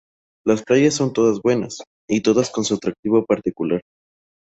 Las playas son todas buenas, y todas con su atractivo particular.